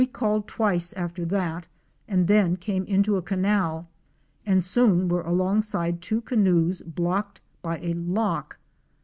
We called twice after that and then came into a canal, and soon were alongside two canoes blocked by a lock.